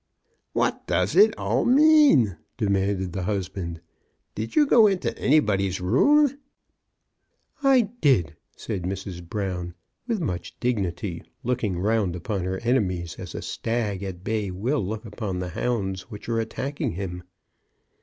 '*What does it all mean?" demanded the hus band. ''Did you go into anybody's room?" '' I did," said Mrs. Brown with much dignity, looking round upon her enemies as a stag at bay will look upon the hounds which are attack ing him.